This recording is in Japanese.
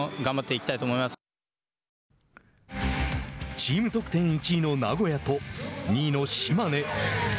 チーム得点１位の名古屋と２位の島根。